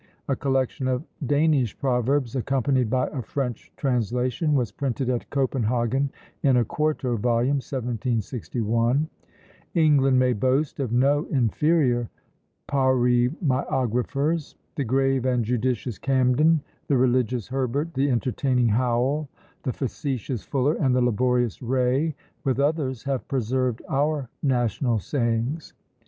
A collection of Danish proverbs, accompanied by a French translation, was printed at Copenhagen, in a quarto volume, 1761. England may boast of no inferior paroemiographers. The grave and judicious Camden, the religious Herbert, the entertaining Howell, the facetious Fuller, and the laborious Ray, with others, have preserved our national sayings.